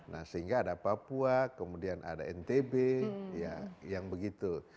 nah sehingga ada papua kemudian ada ntb yang begitu